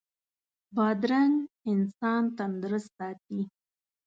بادرنګ انسان تندرست ساتي.